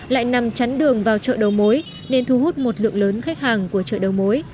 lại nằm chắn đường vào chợ đầu mối nên thu hút một lượng lớn khách hàng của chợ đầu mối